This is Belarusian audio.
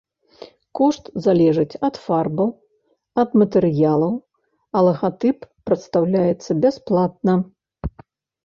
Кошт залежыць ад фарбаў, ад матэрыялаў, а лагатып прадастаўляецца бясплатна.